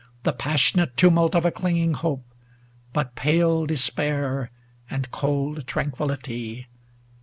The passionate tumult of a clinging hope; But pale despair and cold tranquillity.